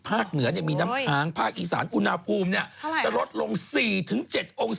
ภาคเหนือมีน้ำคางภาคอีสานอุณหภูมิจะลดลง๔๗องศาเซลเซียส